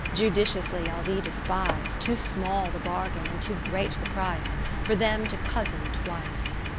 Judiciously I'll these despise ; 40 Too small the bargain, and too great the price, For them to cozen twice.